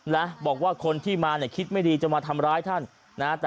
นะบอกว่าคนที่มาเนี่ยคิดไม่ดีจะมาทำร้ายท่านนะฮะ